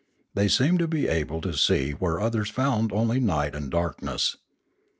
They seemed to be able to see where others found only night and darkness.